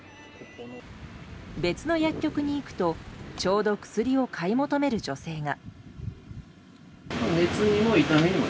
別の薬局に行くとちょうど薬を買い求める女性が。